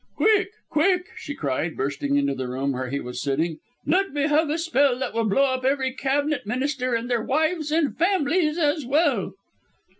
"Quick! Quick!" she cried, bursting into the room where he was sitting. "Let me have a spell that will blow up every Cabinet Minister, and their wives and families as well."